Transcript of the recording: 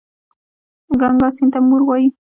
ګنګا سیند ته مور وايي.